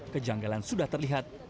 kejanggalan sudah terlihat